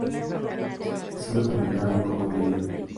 Ha sido publicado como un libro.